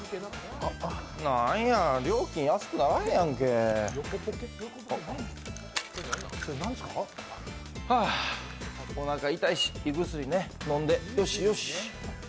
なんや、料金安くならへんやんけあ、おなか痛いし胃薬飲んで、よしよし。